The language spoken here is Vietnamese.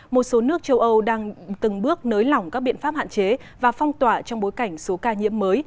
một số nước châu âu đang từng bước nới lỏng các biện pháp hạn chế và phong tỏa trong bối cảnh số ca nhiễm mới